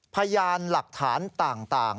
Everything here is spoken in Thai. พยานหลักฐานต่าง